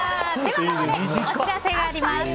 ここでお知らせがあります。